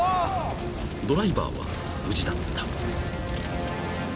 ［ドライバーは無事だった］